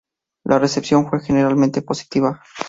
La recepción fue generalmente positiva.